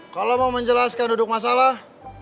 kalau mau menjelaskan duduk masalah